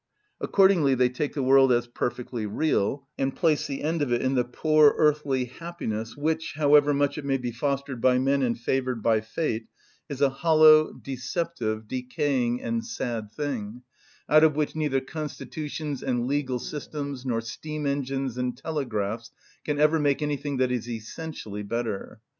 Accordingly they take the world as perfectly real, and place the end of it in the poor earthly happiness, which, however much it may be fostered by men and favoured by fate, is a hollow, deceptive, decaying, and sad thing, out of which neither constitutions and legal systems nor steam‐engines and telegraphs can ever make anything that is essentially better.